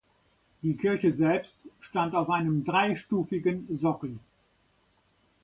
Die Kirche selbst stand auf einem dreistufigen Sockel.